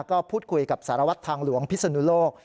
ก็พูดคุยกับสารวัตรทางหลวงพิศนุโลก